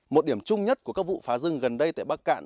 một điểm chung nhất của các vụ phá rừng gần đây tại bắc cạn